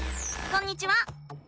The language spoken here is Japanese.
こんにちは。